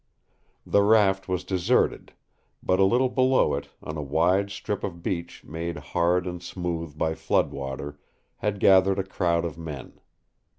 The raft was deserted, but a little below it, on a wide strip of beach made hard and smooth by flood water, had gathered a crowd of men.